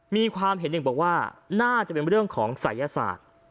มีความเห็นอย่างบอกว่าน่าจะเป็นเรื่องของศัยศาสตร์